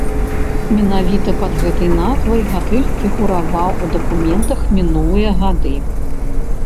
Менавіта пад гэтай назвай гатэль фігураваў у дакументах мінулыя гады.